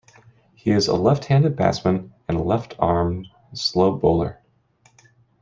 He is a left-handed batsman and a left-arm slow bowler.